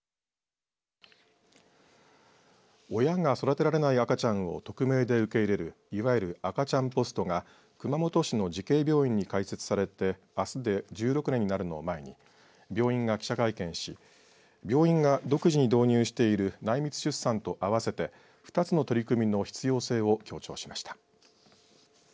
親が育てられない赤ちゃんを匿名で受け入れるいわゆる赤ちゃんポストが熊本市の慈恵病院に開設されてあすで１６年になるのを前に病院が記者会見し病院が独自に導入している内密出産と合わせて２つの取り組みの必要性を強調しました。